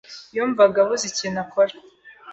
yumvaga abuze ikintu akora.